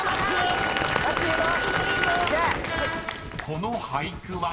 ［この俳句は？］